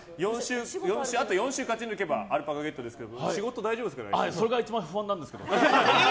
あと４週勝ち抜けばアルパカゲットですがそれが一番不安なんですけど。